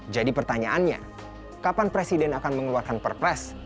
jadi pertanyaannya kapan presiden akan mengeluarkan perpres